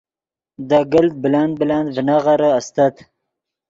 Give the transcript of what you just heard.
دے گلت بلند بلند ڤینغیرے استت